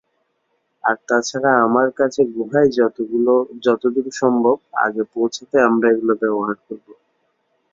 আর তাছাড়া আমার কাছে গুহায় যতদূর সম্ভব আগে পৌঁছাতে আমরা এগুলো ব্যবহার করব।